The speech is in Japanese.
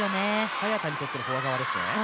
早田にとってのフォア側ですね。